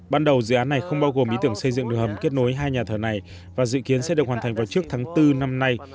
ban đầu dự án này không bao gồm ý tưởng xây dựng đường hầm kết nối hai nhà thờ này và dự kiến sẽ được hoàn thành vào trước tháng bốn năm nay